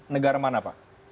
negara mana pak